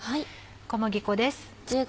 小麦粉です。